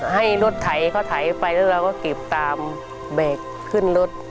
ให้รถไถเขาไถไปแล้วเราก็เก็บตามเบรกขึ้นรถ